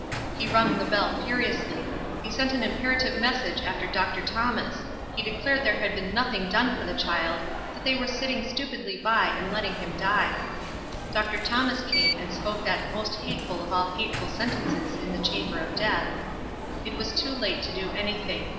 Ho rang the bell furiously ; he sent an imperative message after Dr. Thomas ; he declared there had been nothing done for the child, that they were sitting stupidly by and letting him die. Dr. Thomas came, and spoke that most hateful of all hateful sentences in the chamber of death, ff It was too late to do anything.